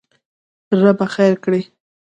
ربه خېر کړې!